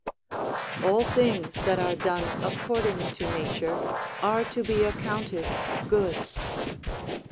["All things that are done according to nature are to be accounted good."